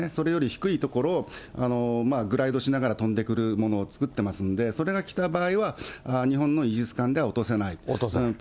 それより低い所をグライドしながら飛んでくるものを作ってますんで、それが来た場合は、日本のイージス艦では落とせない。